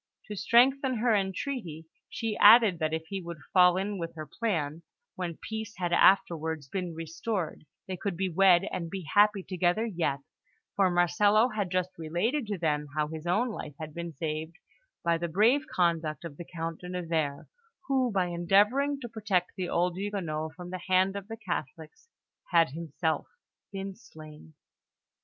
To strengthen her entreaty, she added that if he would fall in with her plan, when peace had afterwards been restored, they could be wed and be happy together yet; for Marcello had just related to them how his own life had been saved by the brave conduct of the Count de Nevers, who, by endeavouring to protect the old Huguenot from the hand of the Catholics, had himself been slain.